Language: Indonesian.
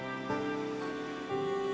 seseorang bisa menikmati diri